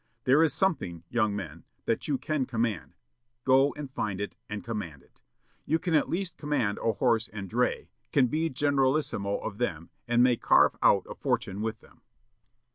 There is something, young men, that you can command; go and find it, and command it. You can at least command a horse and dray, can be generalissimo of them and may carve out a fortune with them."